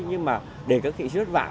nhưng mà để các nghệ sĩ rất vã